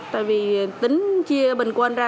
tại vì tính chia bình quân ra